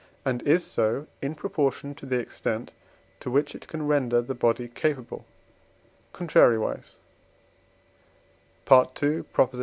and is so in proportion to the extent to which it can render the body capable; contrariwise (II.